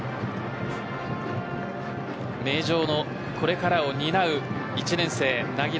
名城のこれからを担う１年生、柳樂。